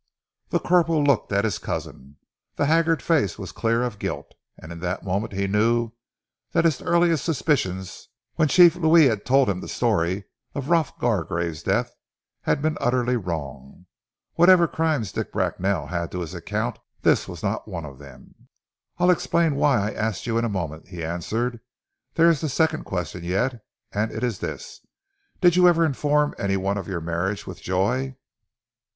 The corporal looked at his cousin. The haggard face was clear of guilt, and in that moment he knew that his earliest suspicions when Chief Louis had told him the story of Rolf Gargrave's death had been utterly wrong. Whatever crimes Dick Bracknell had to his account this was not one of them. "I'll explain why I asked you in a moment," he answered. "There is the second question yet; and it is this, did you ever inform any one of your marriage with Joy?"